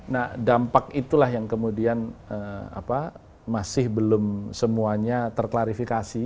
nah dampak itulah yang kemudian masih belum semuanya terklarifikasi